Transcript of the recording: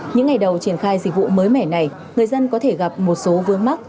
những ngày đầu triển khai dịch vụ mới mẻ này người dân có thể gặp một số vương quốc